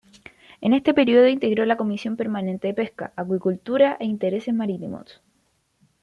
En este período integró la comisión permanente de Pesca, Acuicultura e Intereses Marítimos.